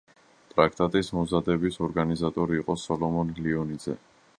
ტრაქტატის მომზადების ორგანიზატორი იყო სოლომონ ლიონიძე.